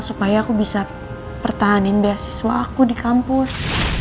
supaya aku bisa pertahanin bh siswa aku di kampus